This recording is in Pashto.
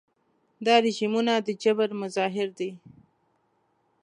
دا رژیمونه د جبر مظاهر دي.